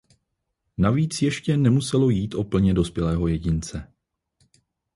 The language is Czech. Navíc ještě nemuselo jít o plně dospělého jedince.